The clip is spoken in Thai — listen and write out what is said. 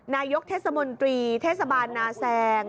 นายกเทศมนตรีเทศบาลนาแซง